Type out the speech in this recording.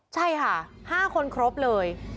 ใช่ค่ะ๕คนครบเลย